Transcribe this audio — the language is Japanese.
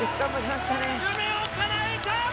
夢をかなえた。